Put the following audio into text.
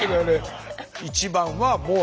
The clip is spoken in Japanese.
１番はもう。